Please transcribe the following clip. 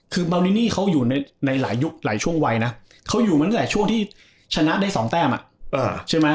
คือเมานินี่เขาอยู่ในหลายยุคหลายช่วงวัยนะเขาอยู่มาตั้งแต่ช่วงที่ชนะได้๒แต้มใช่ไหม